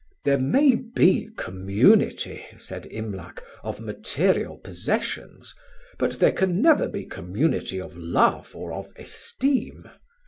"There may be community," said Imlac, "of material possessions, but there can never be community of love or of esteem.